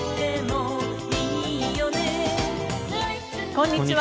こんにちは。